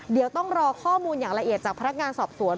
เดี๋ยวต้องรอข้อมูลอย่างละเอียดจากพนักงานสอบสวน